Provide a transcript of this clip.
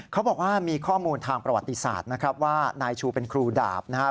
เขาบอกว่ามีข้อมูลทางประวัติศาสตร์นะครับว่านายชูเป็นครูดาบนะครับ